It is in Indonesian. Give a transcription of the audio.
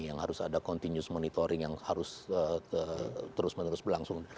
yang harus ada continuous monitoring yang harus terus menerus berlangsung